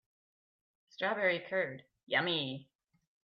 Strawberry curd, yummy!